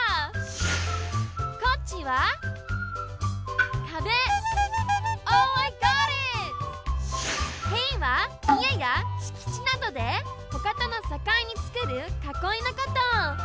塀はいえやしきちなどでほかとのさかいにつくるかこいのこと。